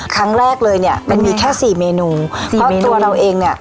ครั้งแรกเลยเนี้ยมันมีแค่สี่เมนูเพราะตัวเราเองเนี้ย